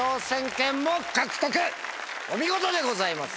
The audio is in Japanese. お見事でございます。